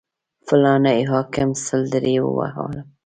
فلاني حاکم سل درې ووهلم.